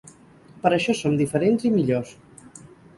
Per això som diferents i millors.